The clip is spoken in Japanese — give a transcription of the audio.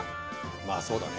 まあそうだね。